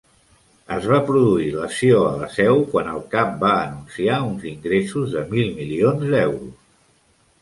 Es va produir l'ació a la seu quan el cap va anunciar uns ingressos de mil milions d'euros.